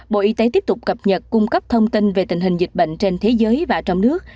bộ y tế tiếp tục cập nhật cung cấp thông tin về tình hình dịch bệnh trên thế giới và trong nước